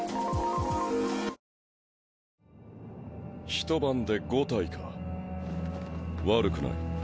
ひと晩で５体か悪くない。